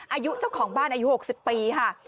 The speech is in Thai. อายุเจ้าของบ้านอายุ๖๐ปีค่ะ